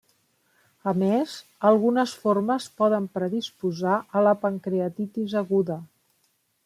A més, algunes formes poden predisposar a la pancreatitis aguda.